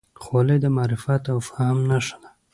خولۍ د معرفت او فهم نښه ده.